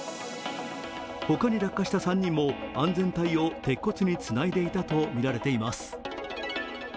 他に落下した３人も安全帯を鉄骨につないでいたとみられています。